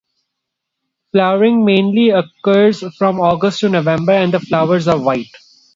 Flowering mainly occurs from August to November and the flowers are white.